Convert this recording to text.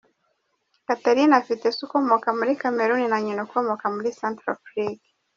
Catherine afite se ukomoka muri Cameroun na nyina ukomoka muri Centrafrique.